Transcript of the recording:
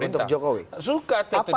untuk jokowi suka